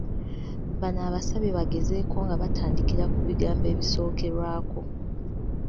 Bano abasabye bagezeeko nga batandikira ku bigambo ebisokerwako.